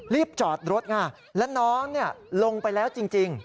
รีบจอดรถค่ะแล้วน้องลงไปแล้วจริง